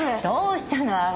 どうしたの？